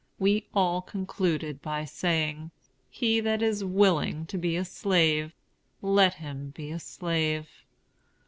We all concluded by saying, "He that is willing to be a slave, let him be a slave."